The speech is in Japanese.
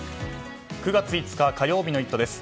９月５日火曜日の「イット！」です。